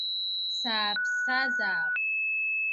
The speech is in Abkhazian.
Сааԥсазаап.